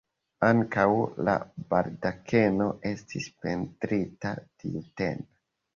Ankaŭ la baldakeno estis pentrita tiutempe.